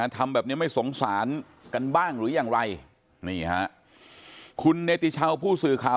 ทำแบบนี้ไม่สงสารกันบ้างหรือยังไรนี่ฮะคุณเนติชาวผู้สื่อข่าว